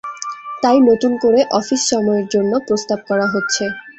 তাই নতুন করে অফিস সময়ের জন্য প্রস্তাব করা হচ্ছে।